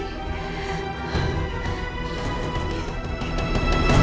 ya allah bagaimana ini